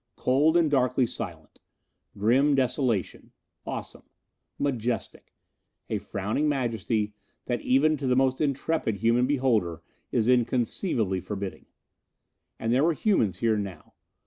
Cold and darkly silent. Grim desolation. Awesome. Majestic. A frowning majesty that even to the most intrepid human beholder is inconceivably forbidding. And there were humans here now.